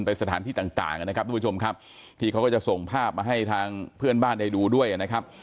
สถานที่ต่างต่างนะครับทุกผู้ชมครับที่เขาก็จะส่งภาพมาให้ทางเพื่อนบ้านได้ดูด้วยนะครับ